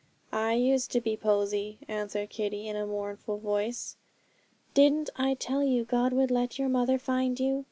'I used to be Posy,' answered Kitty, in a mournful voice. 'Didn't I tell you God would let your mother find you?'